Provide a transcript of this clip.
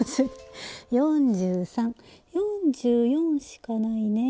４１４２４３４４しかないね。